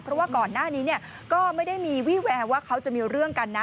เพราะว่าก่อนหน้านี้ก็ไม่ได้มีวี่แววว่าเขาจะมีเรื่องกันนะ